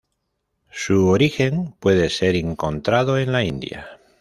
Su origen puede ser encontrado en la India.